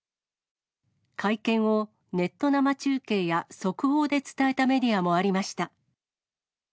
会見をネット生中継や速報で伝えたメディアもありました。